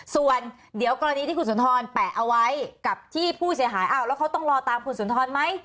ส่วนเดี๋ยวกรณีที่คุณสุนทรแปะเอาไว้กับที่ผู้เสียหายอ้าวแล้วเขาต้องรอตามคุณสุนทรไหม